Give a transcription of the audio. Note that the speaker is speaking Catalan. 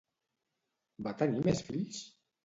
Va tenir més fills?